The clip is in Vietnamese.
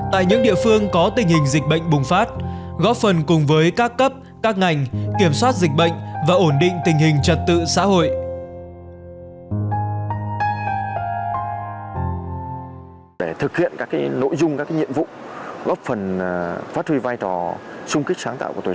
tại những địa phương có tình hình dịch bệnh bùng phát góp phần cùng với các cấp các ngành kiểm soát dịch bệnh và ổn định tình hình trật tự xã hội